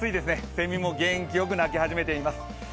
せみも元気よく鳴き始めています。